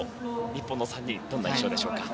日本の３人どんな印象でしょうか。